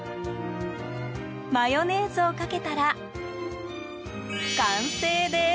マヨネーズをかけたら完成です。